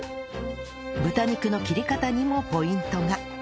豚肉の切り方にもポイントが